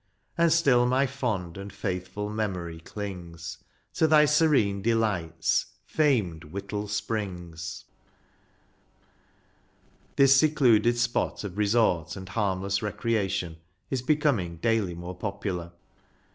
And still my fond and faithful memory clings To thy serene delights, famed Whittle Springs !•* This secluded spot of resort, and harmless recreation, is becoming daily more popular.